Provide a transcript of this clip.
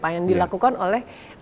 yang dilakukan oleh